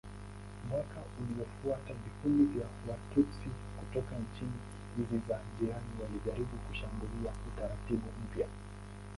Mwaka uliofuata vikundi vya Watutsi kutoka nchi hizi za jirani walijaribu kushambulia utaratibu mpya.